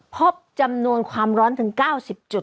พบจำนวนความร้อนถึง๙๐จุด